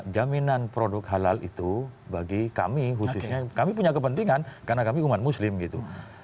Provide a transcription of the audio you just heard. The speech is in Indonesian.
jaminan produk halal itu bagi kami khususnya kami punya kepentingan karena kami umat muslim gitu